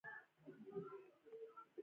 اقلیم د افغانستان د بڼوالۍ برخه ده.